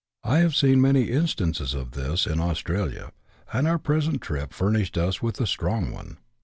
1 have seen many instances of this in Austmlia, anil our present trip furnislieil us with a sti ong one.